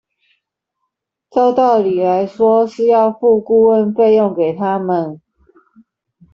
照道理來說是要付顧問費用給他們